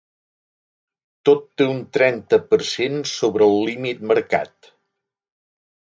Tot té un trenta per cent sobre el límit marcat.